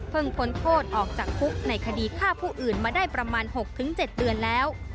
พ้นโทษออกจากคุกในคดีฆ่าผู้อื่นมาได้ประมาณ๖๗เดือนแล้ว